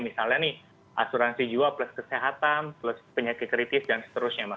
misalnya nih asuransi jiwa plus kesehatan plus penyakit kritis dan seterusnya mas